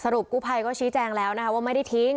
สรุปกู้ภัยก็ชี้แจงแล้วว่าไม่ได้ทิ้ง